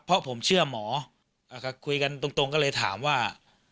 เพราะผมเชื่อหมอคุยกันตรงก็เลยถามว่า